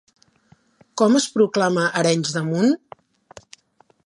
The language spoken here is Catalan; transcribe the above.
Com és proclama Arenys de Munt?